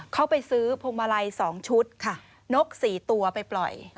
เขาไปซื้อพวงมาลัย๒ชุดค่ะนก๔ตัวไปปล่อย